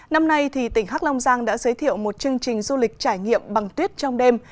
năm nay tỉnh hắc long giang đã giới thiệu một chương trình du lịch trải nghiệm bằng tuyết trong đêm